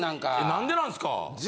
何でなんすか！